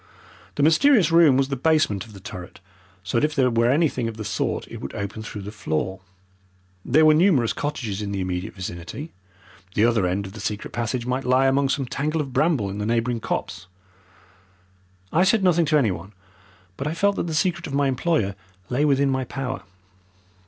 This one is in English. The mysterious room was the basement of the turret, so that if there were anything of the sort it would open through the floor. There were numerous cottages in the immediate vicinity. The other end of the secret passage might lie among some tangle of bramble in the neighbouring copse. I said nothing to anyone, but I felt that the secret of my employer lay within my power.